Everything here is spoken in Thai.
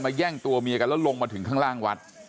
แย่งตัวเมียกันแล้วลงมาถึงข้างล่างวัด